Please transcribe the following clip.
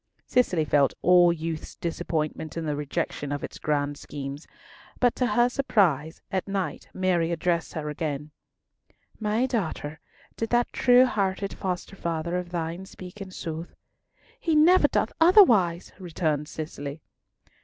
Cicely felt all youth's disappointment in the rejection of its grand schemes. But to her surprise at night Mary addressed her again, "My daughter, did that true hearted foster father of thine speak in sooth?" "He never doth otherwise," returned Cicely.